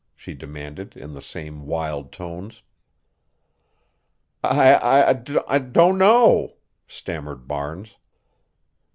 she demanded in the same wild tones. "I I I d d don't know," stammered Barnes.